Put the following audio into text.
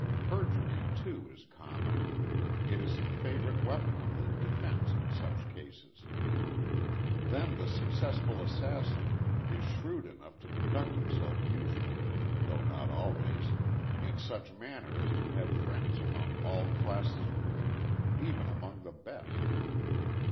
Perjury, too, is common. It is the favorite weapon of the defense in such cases. Then the successful assassin is shrewd enough to conduct himself usually, though not always, in such manner as to have friends among all classes of people, even among the best.